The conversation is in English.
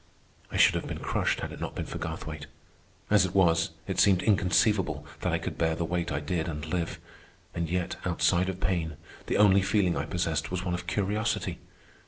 I should have been crushed had it not been for Garthwaite. As it was, it seemed inconceivable that I could bear the weight I did and live. And yet, outside of pain, the only feeling I possessed was one of curiosity.